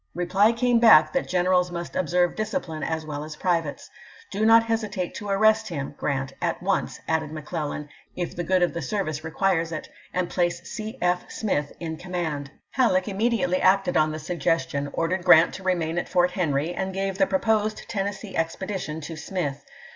Reply came back that generals must ob to ^hS^^ serve discipline as well as privates. " Do not hesi by^Hta"ntou, tate to arrcst him [Grant] at once," added McClellan, 1^?*^ w. R. " if the good of the service requires it, and place p.' 680.' C. F. Smith in command." Halleck immediately acted on the suggestion, ordered Grant to remain at Fort Henry, and gave the proposed Tennessee expedition to Smith.